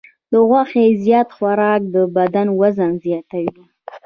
د غوښې زیات خوراک د بدن وزن زیاتوي.